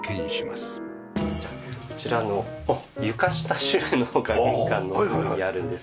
じゃあこちらの床下収納が玄関の隅にあるんです。